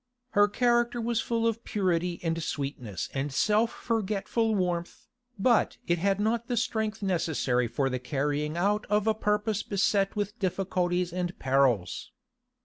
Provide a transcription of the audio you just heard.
Her character was full of purity and sweetness and self forgetful warmth, but it had not the strength necessary for the carrying out of a purpose beset with difficulties and perils.